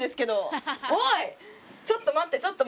えちょっと待って。